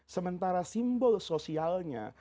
sementara simbol sosialnya